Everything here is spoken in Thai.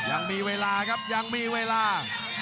ยังมีเวลาครับยังมีเวลา